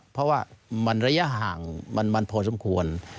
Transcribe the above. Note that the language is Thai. เพราะว่ามันระยะห่างมันพอสมควร